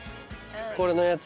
これのやつ。